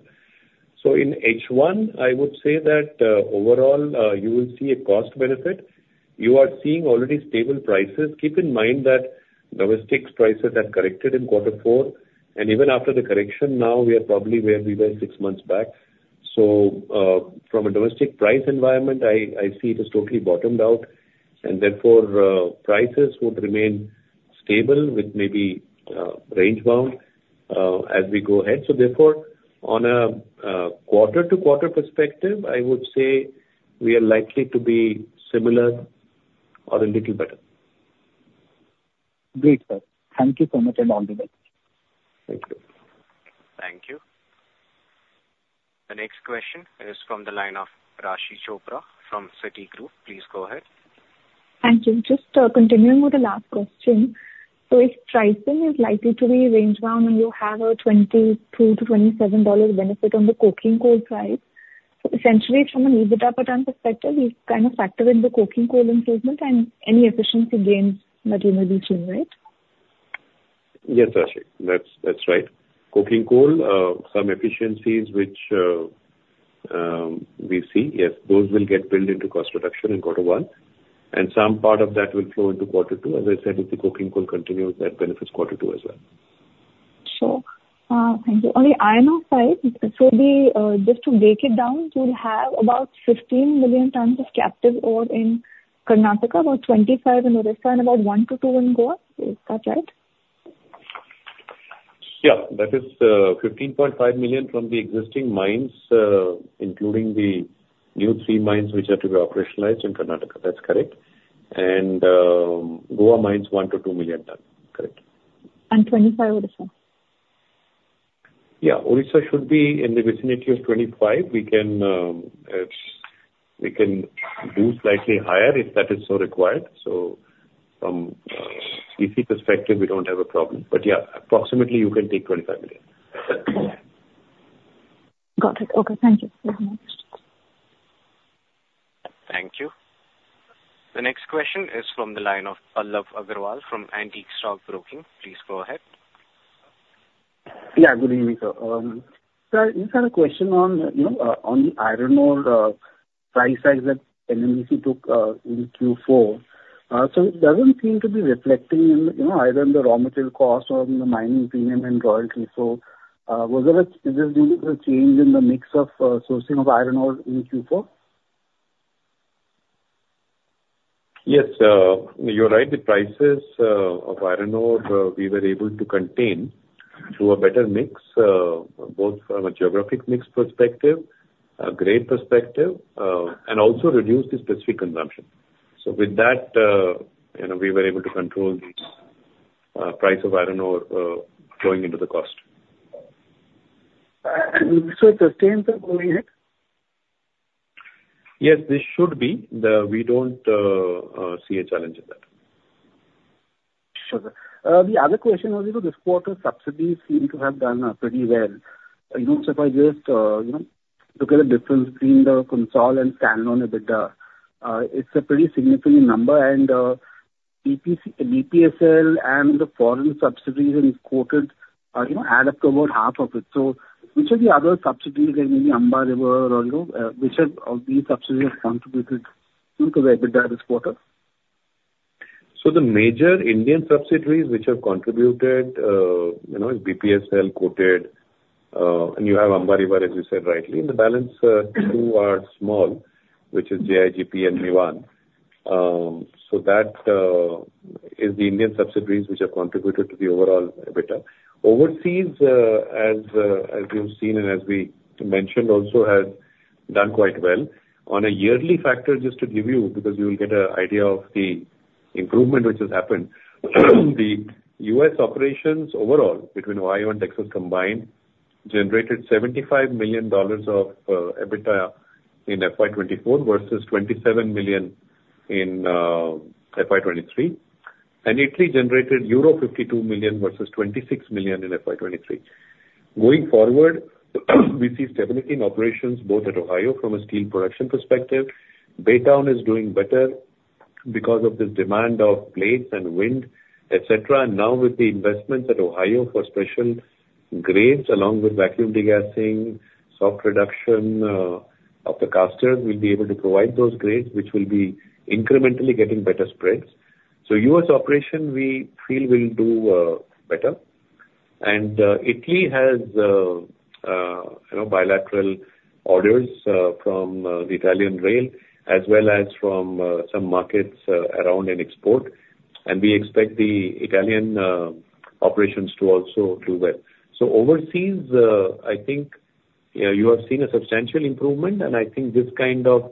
So in H1, I would say that, overall, you will see a cost benefit. You are seeing already stable prices. Keep in mind that domestic prices have corrected in quarter four, and even after the correction, now we are probably where we were six months back. So, from a domestic price environment, I, I see it is totally bottomed out, and therefore, prices would remain stable with maybe, range-bound, as we go ahead. So therefore, on a, a quarter-to-quarter perspective, I would say we are likely to be similar or a little better. Great, sir. Thank you so much, and all the best. Thank you. The next question is from the line of Raashi Chopra from Citigroup. Please go ahead. Thank you. Just, continuing with the last question: So if pricing is likely to be range-bound, and you have a $22-$27 benefit on the coking coal price, essentially from an EBITDA per ton perspective, we kind of factor in the coking coal improvement and any efficiency gains that you may be seeing, right? Yes, Raashi, that's, that's right. Coking coal, some efficiencies, which, we see, yes, those will get built into cost reduction in quarter one, and some part of that will flow into quarter two. As I said, if the coking coal continues, that benefits quarter two as well. Sure. Thank you. On the iron ore side, so the, Just to break it down, you'll have about 15 million tons of captive ore in Karnataka, about 25 in Odisha, and about 1-2 in Goa. Is that right? Yeah, that is, 15.5 million from the existing mines, including the new three mines, which are to be operationalized in Karnataka. That's correct. And, Goa mines, 1-2 million tons. Correct. 25 Odisha? Yeah. Odisha should be in the vicinity of 25. We can boost slightly higher if that is so required. So from a CC perspective, we don't have a problem. But yeah, approximately you can take 25 million. Got it. Okay, thank you very much. Thank you. The next question is from the line of Pallav Agarwal from Antique Stock Broking. Please go ahead. Yeah, good evening, sir. Sir, just had a question on, you know, on the iron ore price hike that NMDC took in Q4. So, it doesn't seem to be reflecting in, you know, either in the raw material cost or in the mining premium and royalty. So, was that is this due to the change in the mix of sourcing of iron ore in Q4? Yes, you're right. The prices of iron ore, we were able to contain through a better mix both from a geographic mix perspective, a grade perspective, and also reduce the specific consumption. So with that, you know, we were able to control the price of iron ore going into the cost. So it's the same going ahead? Yes, this should be. We don't see a challenge in that. Sure, sir. The other question was, you know, this quarter subsidiaries seem to have done, pretty well. You know, so if I just, you know, look at the difference between the consolidated and stand-alone EBITDA, it's a pretty significant number, and, EPC-BPSL and the foreign subsidiaries that you've coated, you know, add up to about half of it. So which are the other subsidiaries, like maybe Amba River or, you know, which of these subsidiaries have contributed to the EBITDA this quarter? So the major Indian subsidiaries which have contributed, you know, BPSL, Coated, and you have Amba River, as you said rightly, and the balance, two are small, which is JIGPL and Mivan. So that is the Indian subsidiaries which have contributed to the overall EBITDA. Overseas, as you've seen and as we mentioned, also has done quite well. On a yearly factor, just to give you, because you will get an idea of the improvement which has happened, the U.S. operations overall between Ohio and Texas combined, generated $75 million of EBITDA in FY 2024 versus $27 million in FY 2023. And Italy generated euro 52 million versus 26 million in FY 2023. Going forward, we see stability in operations both at Ohio from a steel production perspective, Baytown is doing better because of the demand of plates and wind, et cetera. And now with the investments at Ohio for special grades, along with vacuum degassing, soft reduction, of the casters, we'll be able to provide those grades, which will be incrementally getting better spreads. So U.S. operation, we feel will do, better. And, Italy has, you know, bilateral orders, from, the Italian rail as well as from, some markets, around in export. And we expect the Italian, operations to also do well. So overseas, I think, yeah, you have seen a substantial improvement, and I think this kind of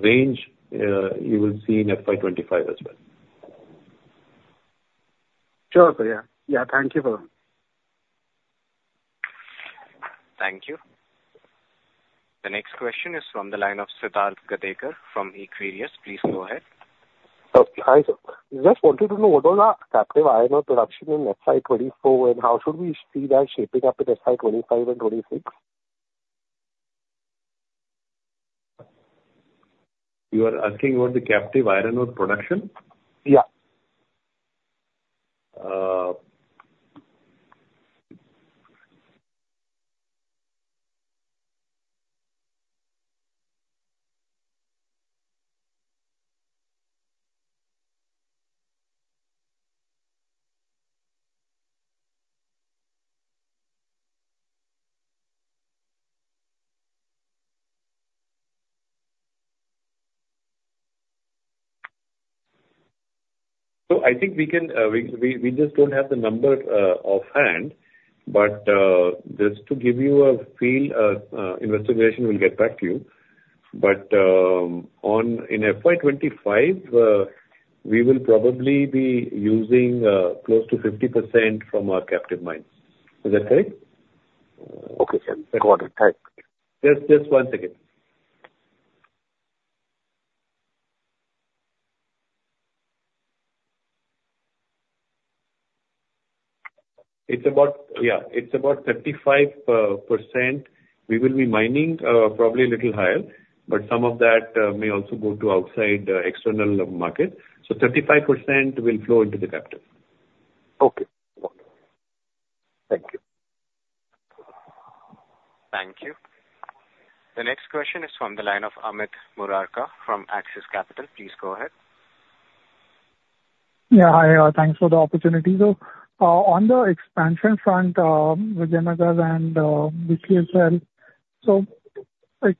range, you will see in FY 25 as well. Sure, sir. Yeah. Yeah. Thank you, sir. Thank you. The next question is from the line of Siddharth Gadekar from Equirus. Please go ahead. Hi, sir. Just wanted to know what was our captive iron ore production in FY 2024, and how should we see that shaping up in FY 2025 and 2026? You are asking about the captive iron ore production? Yeah. So I think we just don't have the number offhand. But just to give you a feel, Investor Relations will get back to you. But in FY 25, we will probably be using close to 50% from our captive mines. Is that correct? Okay, sir. Got it. Thanks. Just, just one second. It's about... Yeah, it's about 35%. We will be mining, probably a little higher, but some of that may also go to outside external market. So 35% will flow into the captive. Okay. Got it. Thank you. Thank you. The next question is from the line of Amit Murarka from Axis Capital. Please go ahead. Yeah, hi, thanks for the opportunity. So, on the expansion front, Vijayanagar and BPSL, so, like,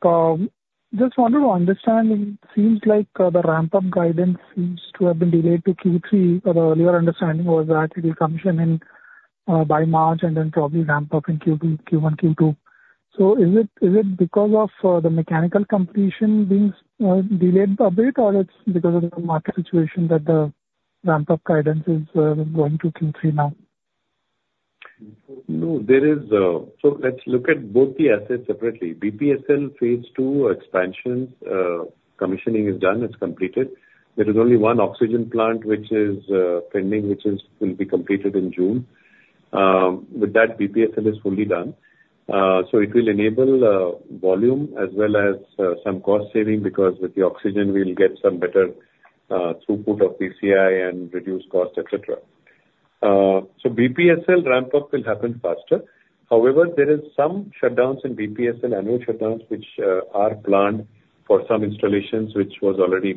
just wanted to understand, it seems like the ramp-up guidance seems to have been delayed to Q3, but our earlier understanding was that it will come in by March and then probably ramp up in Q1, Q2. So is it, is it because of the mechanical completion being delayed a bit, or it's because of the market situation that the ramp-up guidance is going to Q3 now? No, there is... So let's look at both the assets separately. BPSL Phase II expansion, commissioning is done, it's completed. There is only one oxygen plant which is, pending, which is, will be completed in June. With that, BPSL is fully done. So it will enable, volume as well as, some cost saving because with the oxygen, we'll get some better, throughput of PCI and reduced cost, et cetera. So BPSL ramp-up will happen faster. However, there is some shutdowns in BPSL, annual shutdowns, which, are planned for some installations which was already,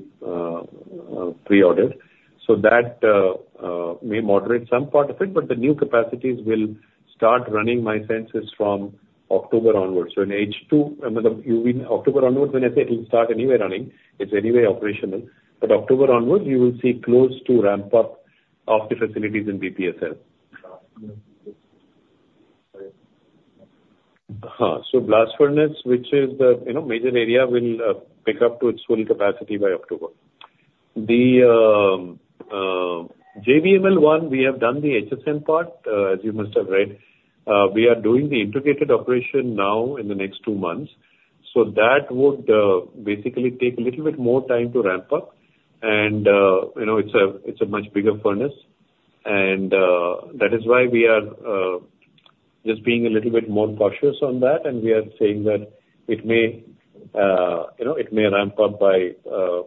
pre-ordered. So that, may moderate some part of it, but the new capacities will start running, my sense is from October onwards. So in H2, I mean, October onwards, when I say it will start anyway running, it's anyway operational, but October onwards, you will see close to ramp-up of the facilities in BPSL. So blast furnace, which is the, you know, major area, will pick up to its full capacity by October. The JVML one, we have done the HSM part, as you must have read. We are doing the integrated operation now in the next two months, so that would basically take a little bit more time to ramp up. And, you know, it's a much bigger furnace, and that is why we are just being a little bit more cautious on that, and we are saying that it may, you know, it may ramp up by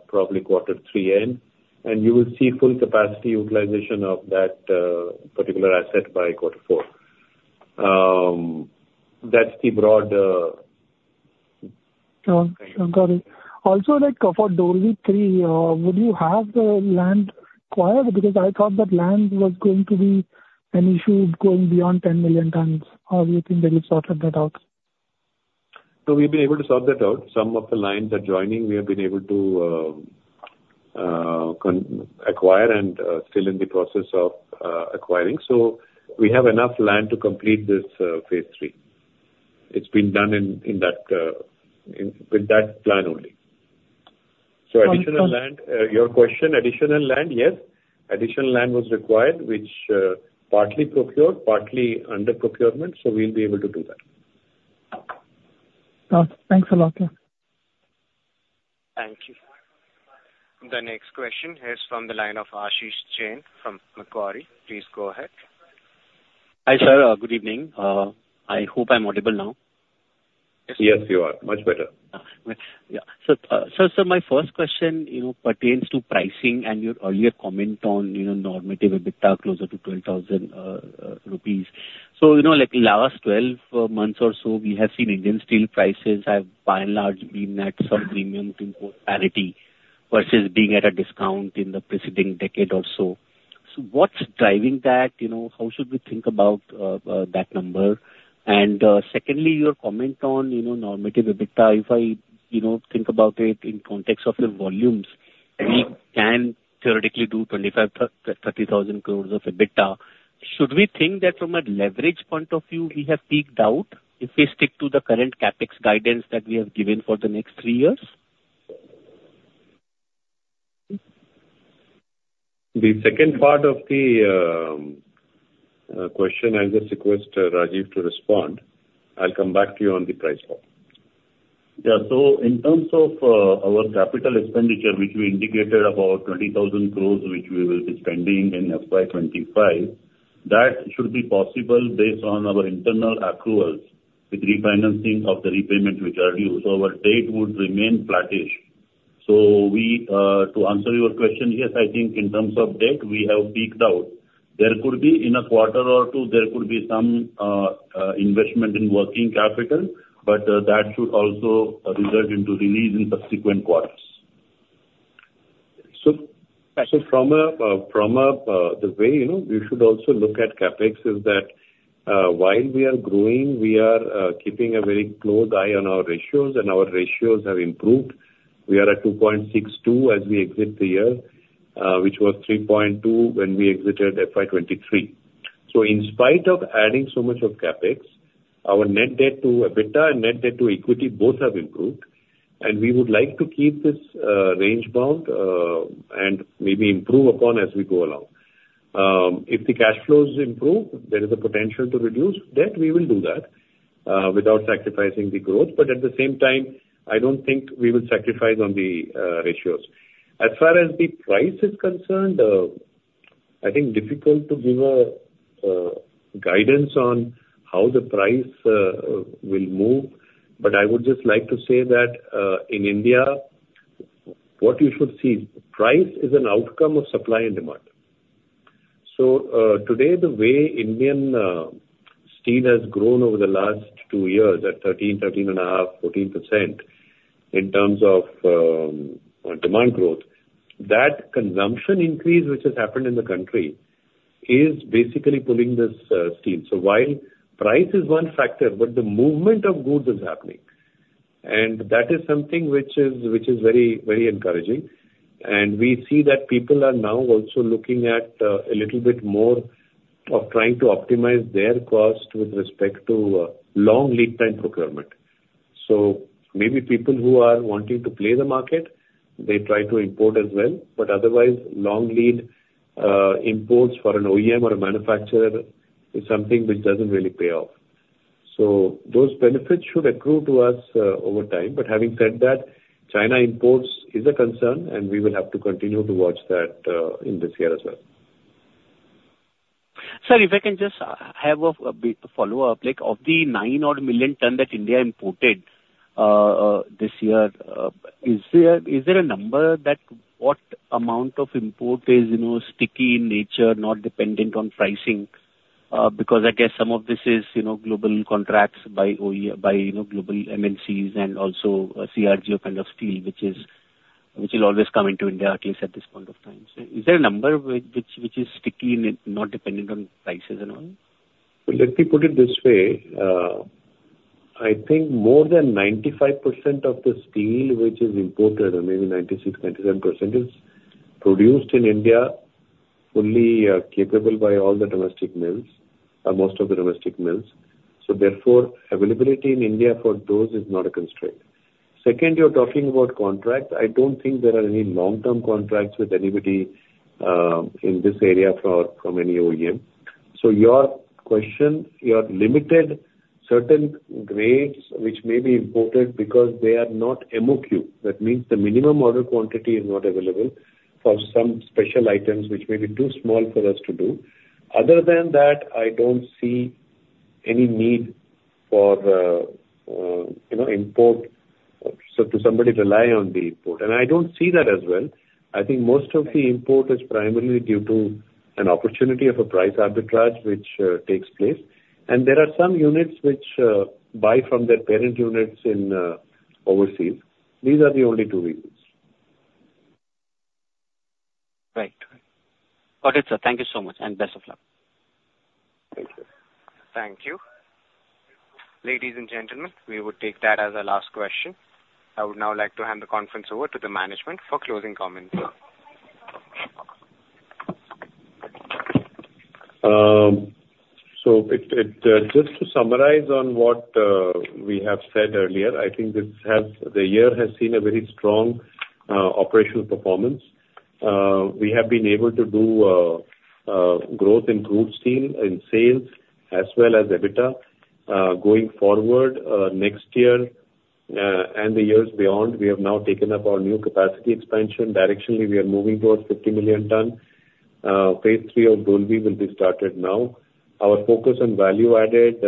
probably quarter three end, and you will see full capacity utilization of that particular asset by quarter four. That's the broad- Oh, got it. Also, like, for Dolvi III, would you have the land acquired? Because I thought that land was going to be an issue going beyond 10 million tons. How do you think that you've sorted that out? So we've been able to sort that out. Some of the lines are joining. We have been able to acquire and still in the process of acquiring. So we have enough land to complete this Phase III. It's been done in that with that plan only. Okay. So, additional land—your question, additional land? Yes. Additional land was required, which, partly procured, partly under procurement, so we'll be able to do that. Oh, thanks a lot. Thank you. The next question is from the line of Ashish Jain from Macquarie. Please go ahead. Hi, sir. Good evening. I hope I'm audible now. Yes, you are. Much better. So, my first question, you know, pertains to pricing and your earlier comment on, you know, normative EBITDA closer to 12,000 rupees. So, you know, like last 12 months or so, we have seen Indian steel prices have by and large been at some premium to parity versus being at a discount in the preceding decade or so. So what's driving that? You know, how should we think about that number? And, secondly, your comment on, you know, normative EBITDA, if I, you know, think about it in context of the volumes, we can theoretically do 25,000 crore-30,000 crore of EBITDA. Should we think that from a leverage point of view, we have peaked out if we stick to the current CapEx guidance that we have given for the next three years? The second part of the question, I just request Rajeev to respond. I'll come back to you on the price part. Yeah. So in terms of our capital expenditure, which we indicated about 20,000 crore, which we will be spending in FY 2025, that should be possible based on our internal accruals with refinancing of the repayment which are due, so our debt would remain flattish. So we, to answer your question, yes, I think in terms of debt, we have peaked out. There could be, in a quarter or two, there could be some investment in working capital, but that should also result into release in subsequent quarters. So from a, the way, you know, you should also look at CapEx is that, while we are growing, we are keeping a very close eye on our ratios, and our ratios have improved. We are at 2.62 as we exit the year, which was 3.2 when we exited FY 2023. So in spite of adding so much of CapEx, our net debt to EBITDA and net debt to equity both have improved, and we would like to keep this range bound, and maybe improve upon as we go along. If the cash flows improve, there is a potential to reduce debt, we will do that without sacrificing the growth. But at the same time, I don't think we will sacrifice on the ratios. As far as the price is concerned, I think difficult to give a guidance on how the price will move. But I would just like to say that, in India, what you should see, price is an outcome of supply and demand. So, today, the way Indian steel has grown over the last two years at 13, 13.5, 14% in terms of demand growth, that consumption increase, which has happened in the country, is basically pulling this steel. So while price is one factor, but the movement of goods is happening, and that is something which is, which is very, very encouraging. And we see that people are now also looking at a little bit more of trying to optimize their cost with respect to long lead time procurement. So maybe people who are wanting to play the market, they try to import as well, but otherwise, long lead imports for an OEM or a manufacturer is something which doesn't really pay off. So those benefits should accrue to us over time. But having said that, China imports is a concern, and we will have to continue to watch that in this year as well. Sir, if I can just have a bit follow-up. Like, of the 9 odd million ton that India imported this year, is there a number that what amount of import is, you know, sticky in nature, not dependent on pricing? Because I guess some of this is, you know, global contracts by OE- by, you know, global MNCs and also CRGO kind of steel, which is, which will always come into India, at least at this point of time. So is there a number which is sticky and it, not dependent on prices and all? Well, let me put it this way. I think more than 95% of the steel which is imported, or maybe 96%-97%, is produced in India, fully capable by all the domestic mills, or most of the domestic mills. So therefore, availability in India for those is not a constraint. Second, you're talking about contracts. I don't think there are any long-term contracts with anybody in this area from any OEM. So your question, you have limited certain grades which may be imported because they are not MOQ. That means the minimum order quantity is not available for some special items which may be too small for us to do. Other than that, I don't see any need for the, you know, import, so to somebody rely on the import. And I don't see that as well. I think most of the import is primarily due to an opportunity of a price arbitrage, which takes place. There are some units which buy from their parent units in overseas. These are the only two reasons. Right. Okay, sir. Thank you so much, and best of luck. Thank you. Thank you. Ladies and gentlemen, we would take that as our last question. I would now like to hand the conference over to the management for closing comments. So, just to summarize on what we have said earlier, I think the year has seen a very strong operational performance. We have been able to do growth in crude steel, in sales, as well as EBITDA. Going forward, next year, and the years beyond, we have now taken up our new capacity expansion. Directionally, we are moving towards 50 million ton. Phase III of Dolvi will be started now. Our focus on value added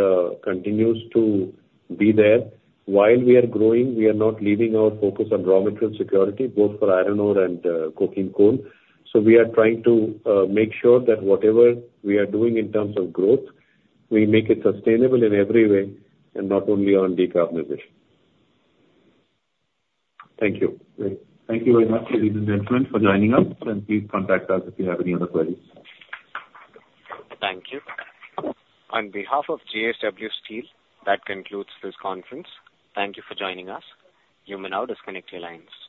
continues to be there. While we are growing, we are not leaving our focus on raw material security, both for iron ore and coking coal. So we are trying to make sure that whatever we are doing in terms of growth, we make it sustainable in every way and not only on decarbonization. Thank you. Great. Thank you very much, ladies and gentlemen, for joining us, and please contact us if you have any other queries. Thank you. On behalf of JSW Steel, that concludes this conference. Thank you for joining us. You may now disconnect your lines.